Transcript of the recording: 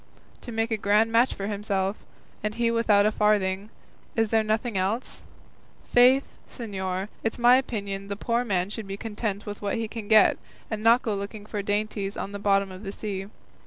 To make a grand match for himself, and he without a farthing; is there nothing else? Faith, señor, it's my opinion the poor man should be content with what he can get, and not go looking for dainties in the bottom of the sea.